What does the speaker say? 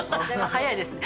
早いですね。